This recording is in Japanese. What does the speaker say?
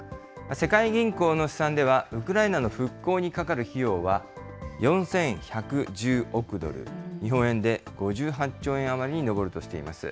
世界銀行の試算では、ウクライナの復興にかかる費用は４１１０億ドル、日本円で５８兆円余りに上るとしています。